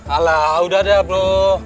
alah udah deh bro